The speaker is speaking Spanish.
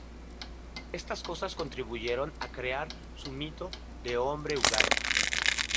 Estas cosas contribuyeron a crear su mito de hombre huraño.